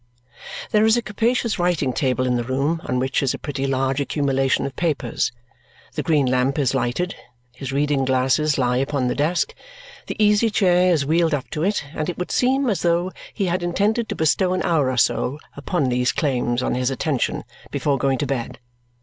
There is a capacious writing table in the room on which is a pretty large accumulation of papers. The green lamp is lighted, his reading glasses lie upon the desk, the easy chair is wheeled up to it, and it would seem as though he had intended to bestow an hour or so upon these claims on his attention before going to bed.